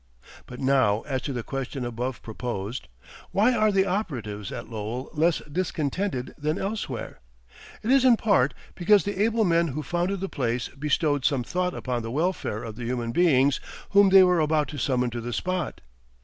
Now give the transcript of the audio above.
But now as to the question above proposed. Why are the operatives at Lowell less discontented than elsewhere? It is in part because the able men who founded the place bestowed some thought upon the welfare of the human beings whom they were about to summon to the spot.